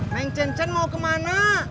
neng cen cen mau kemana